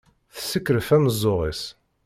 Tessekref amzur-is.